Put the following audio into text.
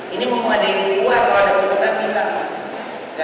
ini mau ada ibu buat atau ada penghutan bita